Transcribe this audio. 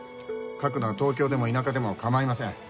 書くのは東京でも田舎でも構いません。